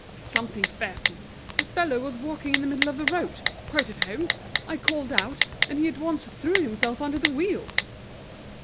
"It's something fearful. This fellow was walking in the middle of the road, quite at home. I called out, and he at once threw himself under the wheels!"